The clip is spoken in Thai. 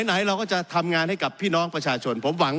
ไหนเราก็จะทำงานให้กับพี่น้องประชาชนผมหวัง